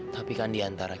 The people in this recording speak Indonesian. tapi kan diantara